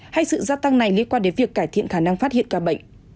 hay sự gia tăng này liên quan đến việc cải thiện khả năng phát hiện ca bệnh